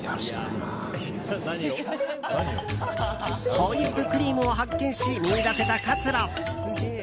ホイップクリームを発見し見いだせた活路。